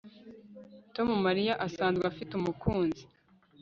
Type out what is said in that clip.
Tom Mariya asanzwe afite umukunzi